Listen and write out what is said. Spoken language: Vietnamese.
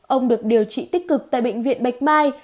ông được điều trị tích cực tại bệnh viện bạch mai